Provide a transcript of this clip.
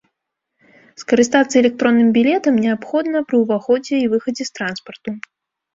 Скарыстацца электронным білетам неабходна пры ўваходзе і выхадзе з транспарту.